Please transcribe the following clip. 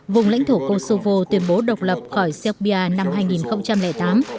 vùng lãnh thổ kosovo tuyên bố độc lập khỏi serbia năm hai nghìn tám